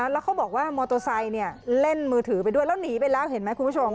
แล้วเขาบอกว่ามอเตอร์ไซค์เล่นมือถือไปด้วยแล้วหนีไปแล้วเห็นไหมคุณผู้ชม